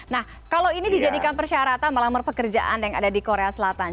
nah kalau ini dijadikan persyaratan melamar pekerjaan yang ada di korea selatan